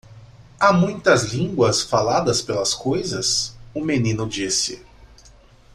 "Há muitas línguas faladas pelas coisas?" o menino disse.